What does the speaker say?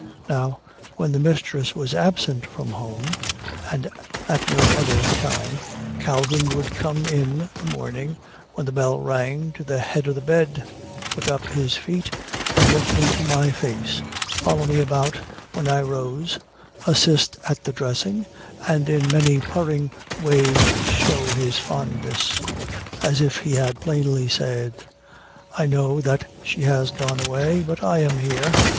Now, when the mistress was absent from home, and at no other time, Calvin would come in the morning, when the bell rang, to the head of the bed, put up his feet and look into my face, follow me about when I rose, "assist" at the dressing, and in many purring ways show his fondness, as if he had plainly said, "I know that she has gone away, but I am here."